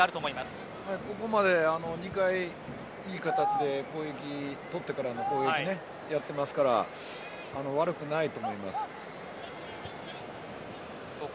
ここまで、２回いい形でボールをとってからの攻撃をやっていますから悪くないと思います。